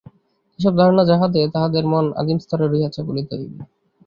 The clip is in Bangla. এইসব ধারণা যাহাদের, তাহাদের মন আদিম স্তরে রহিয়াছে, বলিতে হইবে।